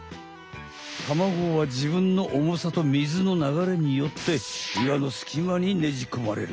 たまごはじぶんのおもさとみずのながれによって岩のすきまにねじこまれる。